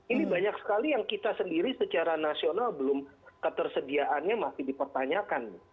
ini banyak sekali yang kita sendiri secara nasional belum ketersediaannya masih dipertanyakan